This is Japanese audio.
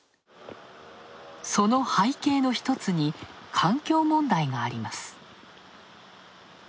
その背景の一つに環境問題があります。